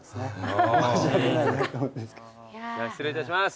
じゃあ失礼いたします。